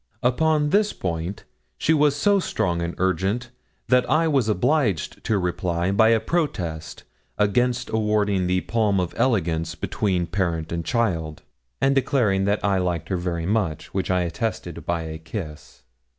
Upon this point she was so strong and urgent that I was obliged to reply by a protest against awarding the palm of elegance between parent and child, and declaring I liked her very much, which I attested by a kiss.